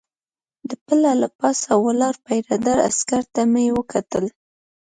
د پله له پاسه ولاړ پیره دار عسکر ته مې وکتل.